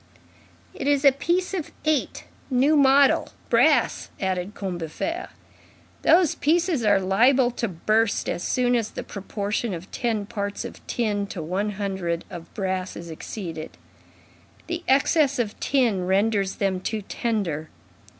"It is a piece of eight, new model, brass," added Combeferre. "Those pieces are liable to burst as soon as the proportion of ten parts of tin to one hundred of brass is exceeded. The excess of tin renders them too tender.